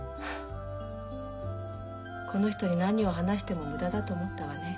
この人に何を話しても無駄だと思ったわね。